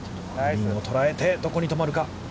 グリーンを捉えて、どこに止まるか。